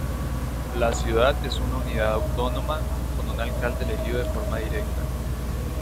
La ciudad es una unidad autónoma, con un alcalde elegido de forma directa.